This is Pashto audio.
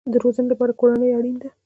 د روزنې لپاره کورنۍ اړین ده